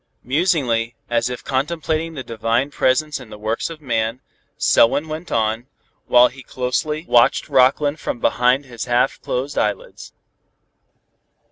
Musingly, as if contemplating the divine presence in the works of man, Selwyn went on, while he closely watched Rockland from behind his half closed eyelids.